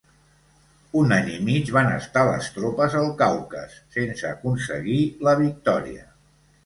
Un any i mig van estar les tropes al Caucas sense aconseguir la victòria.